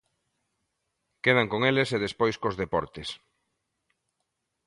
Quedan con eles e despois cos deportes.